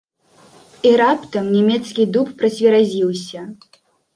І раптам нямецкі дуб працверазіўся.